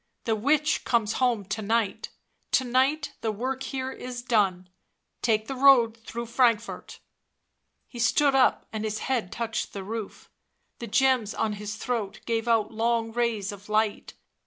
" The witch comes home to night, to night, the work here is done, take the road through Frankfort." He stood up, and his head touched the roof; the gems on his throat gave out long rays of light